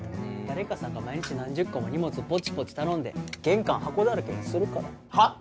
誰かさんが毎日何十個も荷物ポチポチ頼んで玄関箱だらけにするからはっ